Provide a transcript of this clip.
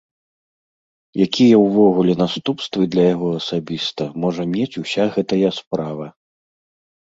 Якія ўвогуле наступствы для яго асабіста можа мець уся гэтая справа?